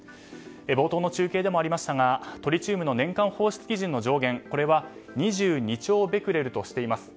冒頭の中継でもありましたがトリチウムの年間放出基準の上限は２２兆ベクレルとしています。